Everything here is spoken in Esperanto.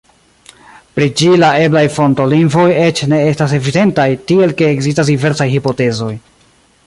Pri ĝi la eblaj fonto-lingvoj eĉ ne estas evidentaj, tiel ke ekzistas diversaj hipotezoj.